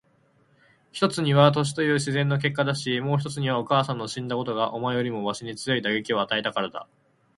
一つには年という自然の結果だし、もう一つにはお母さんの死んだことがお前よりもわしに強い打撃を与えたからだ。